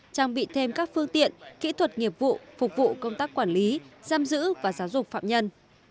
trang bị thêm các phương tiện kỹ thuật nghiệp vụ phục vụ công tác quản lý giam giữ và giáo dục phạm nhân